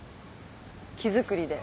木造りで。